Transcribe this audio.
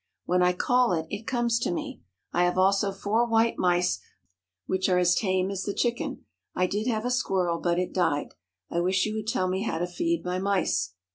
When I call it, it comes to me. I have also four white mice, which are as tame as the chicken. I did have a squirrel, but it died. I wish you would tell me how to feed my mice.